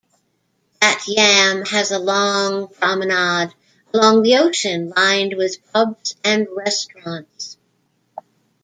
Bat Yam has a long promenade along the ocean lined with pubs and restaurants.